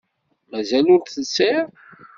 Mazal ur telsiḍ?